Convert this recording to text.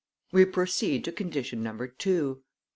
We proceed to condition number two.